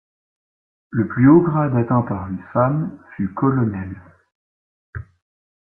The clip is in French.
Le plus haut grade atteint par une femme fut colonel.